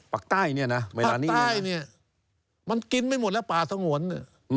ปลังใต้เนี่ยนะที่เวลานี้